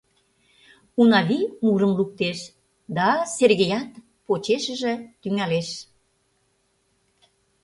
Унавий мурым луктеш, да Сергеят почешыже тӱҥалеш: